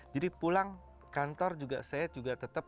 jadi pulang kantor juga saya juga tetap